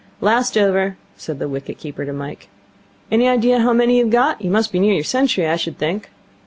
'Last over,' said the wicket keeper to Mike. 'Any idea how many you've got? You must be near your century, I should think.'